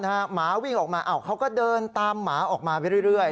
หมาวิ่งออกมาเขาก็เดินตามหมาออกมาไปเรื่อย